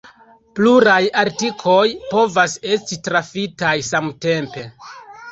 Pluraj artikoj povas esti trafitaj samtempe.